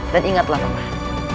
dan ingatlah paman